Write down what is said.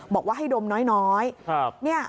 บอกว่าให้ดมน้อย